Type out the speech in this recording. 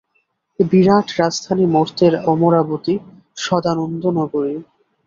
এ বিরাট রাজধানী মর্ত্যের অমরাবতী, সদানন্দ-নগরী।